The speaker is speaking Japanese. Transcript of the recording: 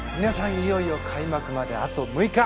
いよいよ開幕まであと６日。